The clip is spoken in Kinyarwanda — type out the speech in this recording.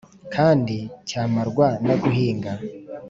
kandi cyamarwa no guhinga!